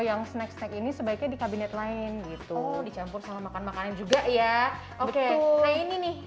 yang snack snack ini sebaiknya di kabinet lain gitu dicampur sama makan makanan juga ya oke ini nih